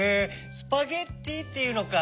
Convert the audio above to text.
スパゲッティっていうのか。